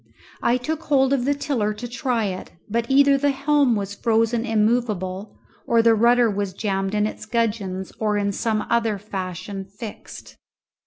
I took hold of the tiller to try it, but either the helm was frozen immovable or the rudder was jammed in its gudgeons or in some other fashion fixed.